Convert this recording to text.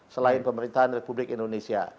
selain pemerintahan republik indonesia